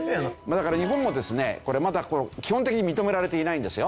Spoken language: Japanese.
だから日本もですねこれまだ基本的に認められていないんですよ。